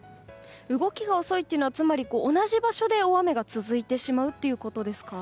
動きが遅いというのはつまり同じ場所で大雨が続いてしまうということですか。